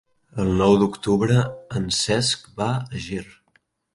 El nou d'octubre en Cesc va a Ger.